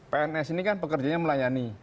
pns ini kan pekerjanya melayani